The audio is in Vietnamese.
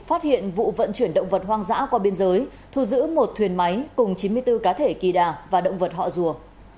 phát hiện vụ vận chuyển động vật hoang dã qua biên giới thu giữ một thuyền máy cùng chín mươi bốn cá thể kỳ đà và động vật họ rùa